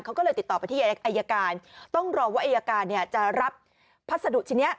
เขาก็เลยติดต่อไปที่อายการต้องรอว่าอายการเนี่ยจะรับพัสดุชิ้นนี้